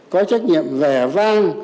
có trách nhiệm vẻ vang